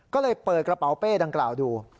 ก็เลยเปิดกระเป๋าเป้ดังกล่าวดู